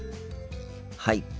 はい。